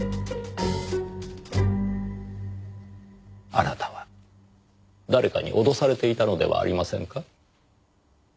あなたは誰かに脅されていたのではありませんか？